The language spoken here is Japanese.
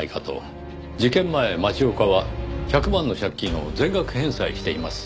事件前町岡は１００万の借金を全額返済しています。